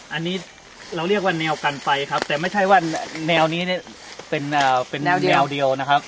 อันนี้เราเรียกว่าแนวกันไฟครับแต่ไม่ใช่ว่าแนวนี้เนี่ยเป็นแนวเดียวนะครับ